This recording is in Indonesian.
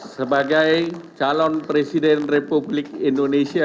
sebagai calon presiden republik indonesia dua ribu dua puluh empat dua ribu dua puluh sembilan